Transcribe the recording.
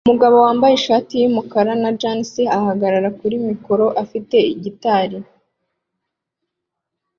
Umugabo wambaye ishati yumukara na jans ahagarara kuri mikoro afite gitari